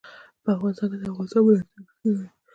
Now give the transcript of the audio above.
په افغانستان کې د افغانستان ولايتونه شتون لري.